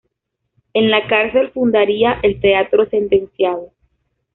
En la cárcel fundaría el Teatro del Sentenciado.